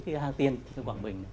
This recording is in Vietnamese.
cái hang tiên quảng bình